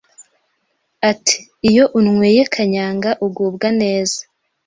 Ati Iyo unyweye kanyanga ugubwa neza